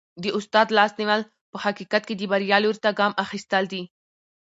د استاد لاس نیول په حقیقت کي د بریا لوري ته ګام اخیستل دي.